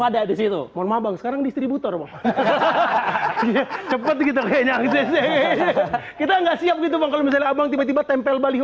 ada di situ sekarang distributor hahaha cepet kita nggak siap gitu bang tiba tiba tempel bali